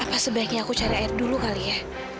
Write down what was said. apa sebaiknya aku cari air dulu kali ya